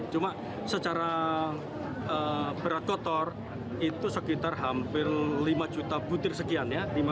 cuma secara berat kotor itu sekitar hampir lima juta butir sekian ya